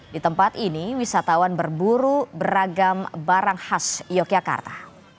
di tempat ini wisatawan berburu beragam barang khas yogyakarta